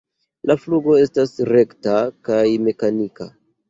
La flugo estas rekta kaj mekanika.